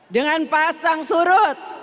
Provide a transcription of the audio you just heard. dengan pasang surut